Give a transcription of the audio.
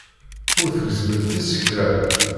Ur tgezzmemt isekla.